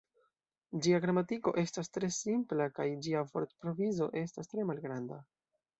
Ĝia gramatiko estas tre simpla kaj ĝia vortprovizo estas tre malgranda.